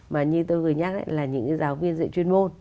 mà như tôi vừa nhắc là những giáo viên dạy chuyên môn